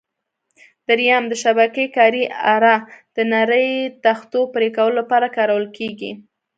درېیم: د شبکې کارۍ اره: د نرۍ تختو پرېکولو لپاره کارول کېږي.